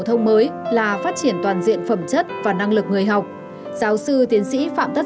thông mới là phát triển toàn diện phẩm chất và năng lực người học giáo sư tiến sĩ phạm tất